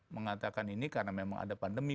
mengatakan ini karena memang ada pandemi